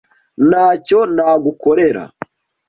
Ntacyo ntagukorera.